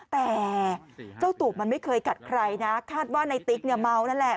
แต่เจ้าตูบมันไม่เคยกัดใครนะคาดว่าในติ๊กเนี่ยเมานั่นแหละ